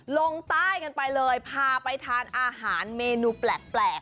ลงใต้กันไปเลยพาไปทานอาหารเมนูแปลก